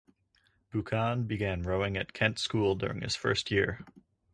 Buchan began rowing at Kent School during his first year.